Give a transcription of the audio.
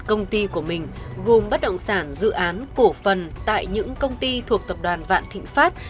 công ty của mình gồm bất động sản dự án cổ phần tại những công ty thuộc tập đoàn vạn thịnh pháp